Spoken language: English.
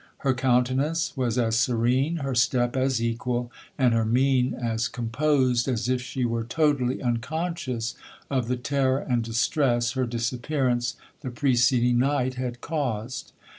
Her countenance was as serene, her step as equal, and her mein as composed, as if she were totally unconscious of the terror and distress her disappearance the preceding night had caused.